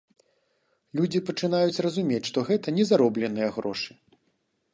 Людзі пачынаюць разумець, што гэта не заробленыя грошы.